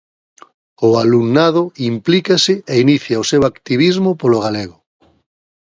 O alumnado implícase e inicia o seu activismo polo galego.